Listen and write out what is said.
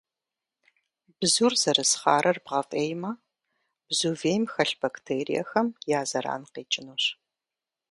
Бзур зэрыс хъарыр бгъэфӏеймэ, бзу вейм хэлъ бактериехэм я зэран къекӏынущ.